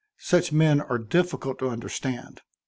Such men are difficult to understand.